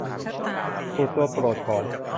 ตูบตัวโปรดของ